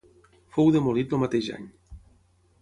Fou demolit el mateix any.